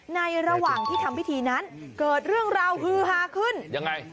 ในระหว่างที่ทำพิธีนั้นเกิดเรื่องราวฮือฮาขึ้นยังไง